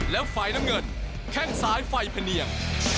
และไฟน้ำเงินแค่งซ้ายไฟพะเนียง